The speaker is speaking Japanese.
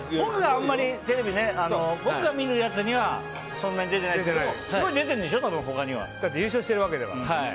あんまりテレビで僕が見るやつにはそんなに出てないですけどすごい出てるんでしょだって優勝してるわけだから。